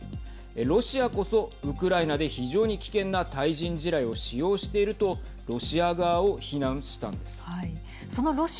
ロシアこそ、ウクライナで非常に危険な対人地雷を使用しているとロシア側を非難したんです。